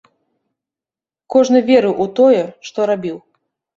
Кожны верыў у тое, што рабіў.